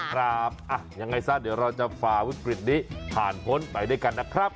ครับยังไงซะเดี๋ยวเราจะฝ่าวิกฤตนี้ผ่านพ้นไปด้วยกันนะครับ